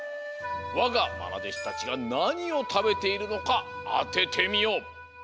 わがまなでしたちがなにをたべているのかあててみよ。